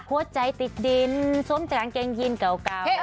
หัวใจติดดินสวมแต่กางเกงยีนเก่า